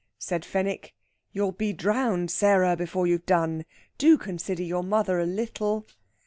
Said Fenwick: "You'll be drowned, Sarah, before you've done! Do consider your mother a little!"